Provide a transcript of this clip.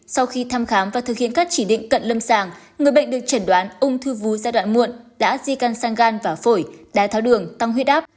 sau khi thăm khám và thực hiện các chỉ định cận lâm sàng người bệnh được chẩn đoán ung thư vú giai đoạn muộn đã di căn sang gan và phổi đái tháo đường tăng huyết áp